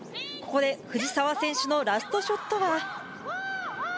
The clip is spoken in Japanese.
ここで藤澤選手のラストショットは。